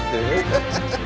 ハハハハハ！